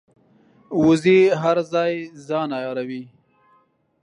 وزې هر ځای ځان عیاروي